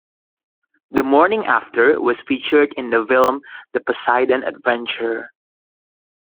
"The Morning After" was featured in the film "The Poseidon Adventure".